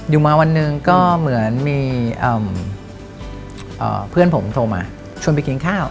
อยู่มาวันหนึ่งก็เหมือนมีเพื่อนผมโทรมาชวนไปกินข้าว